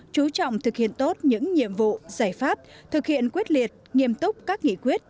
chú trọng thực hiện tốt những nhiệm vụ giải pháp thực hiện quyết liệt nghiêm túc các nghị quyết